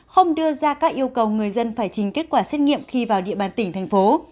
không đưa ra các yêu cầu người dân phải trình kết quả xét nghiệm khi vào địa bàn tỉnh thành phố